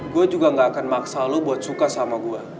gue juga gak akan maksa lu buat suka sama gue